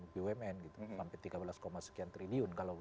bumn gitu sampai tiga belas sekian triliun